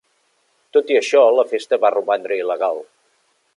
Tot i això, la festa va romandre il·legal.